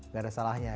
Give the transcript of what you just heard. gak ada salahnya